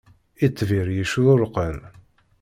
Itbir yecrurqen.